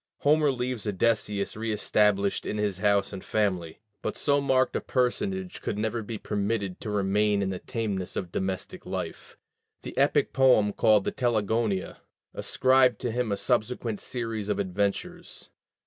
Homer leaves Odysseus reëstablished in his house and family. But so marked a personage could never be permitted to remain in the tameness of domestic life; the epic poem called the Telegonia ascribed to him a subsequent series of adventures.